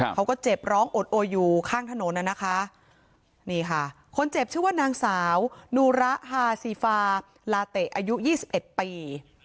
เขาก็เจ็บร้องอดโออยู่ข้างถนนน่ะนะคะนี่ค่ะคนเจ็บชื่อว่านางสาวนูระฮาซีฟาลาเตะอายุ๒๑ปี